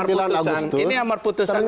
ini amar putusan mk